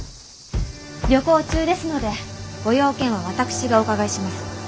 旅行中ですのでご用件は私がお伺いします。